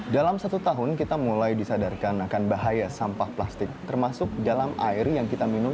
dalam satu tahun kita mulai disadarkan akan bahaya sampah plastik termasuk dalam air yang kita minum